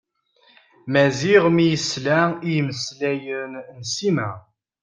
Maziɣ mi yesla i yimeslayen n Sima.